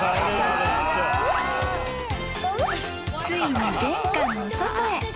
［ついに玄関の外へ。